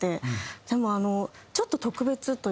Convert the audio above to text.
でもちょっと特別というか。